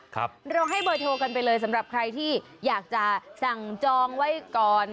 เราให้เบอร์โทรกันไปเลยสำหรับใครที่อยากจะสั่งจองไว้ก่อน